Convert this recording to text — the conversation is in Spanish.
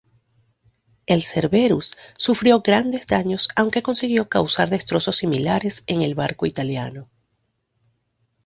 El "Cerberus" sufrió grandes daños aunque consiguió causar destrozos similares en el barco italiano.